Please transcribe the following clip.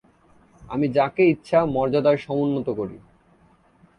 আমি যাকে ইচ্ছা মর্যাদায় সমুন্নত করি।